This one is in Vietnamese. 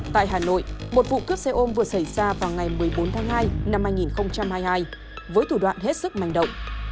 tại hà nội một vụ cướp xe ôm vừa xảy ra vào ngày một mươi bốn tháng hai năm hai nghìn hai mươi hai với thủ đoạn hết sức manh động